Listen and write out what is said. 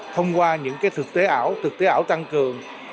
thông qua những thực tế ảo thực tế ảo tăng cường